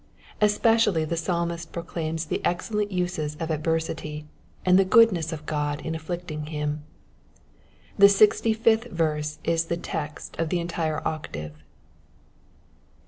Especially the Paalmist proclaims the excellent uses of adversity, and the goodness of God in afiiict ing him. The sixty i^fth verse is the text of the entire octave.